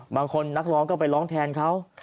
นักร้องก็ไปร้องแทนเขา